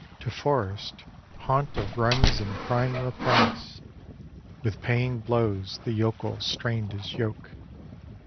To forest, haunt of runs and prime repast, With paying blows, the yokel strained his yoke.